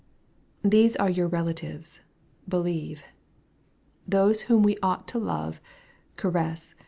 These are your relatives, believe : Those whom we ought to love, caress.